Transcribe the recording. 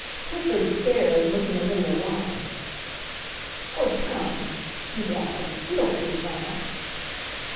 Clifford stared, looking a little alarmed. "Oh, come," he growled, "you don't mean that!"